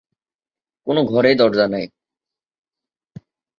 ‘কোন ঘরেই দরজা নাই।